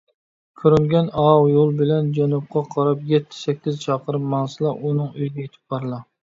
كۆرۈنگەن ئاۋۇ يول بىلەن جەنۇبقا قاراپ يەتتە - سەككىز چاقىرىم ماڭسىلا، ئۇنىڭ ئۆيىگە يېتىپ بارىلا.